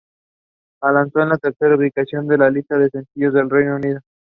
Alcanzó la tercera ubicación de la lista de sencillos del Reino Unido.